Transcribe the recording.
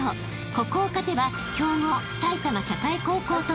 ［ここを勝てば強豪埼玉栄高校との対戦］